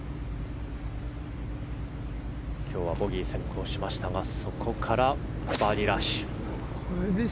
今日はボギーが先行しましたがそこからバーディーラッシュ。